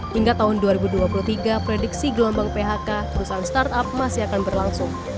hingga tahun dua ribu dua puluh tiga prediksi gelombang phk perusahaan startup masih akan berlangsung